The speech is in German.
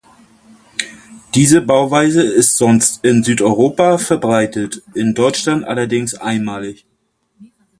Diese Bauweise ist sonst in Südeuropa verbreitet, in Deutschland allerdings einmalig.